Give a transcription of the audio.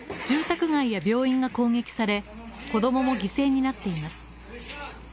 住宅街や病院が攻撃され子供も犠牲になっています。